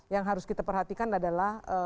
yang harus kita perhatikan adalah